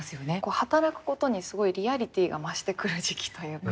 働くことにすごいリアリティーが増してくる時期というか。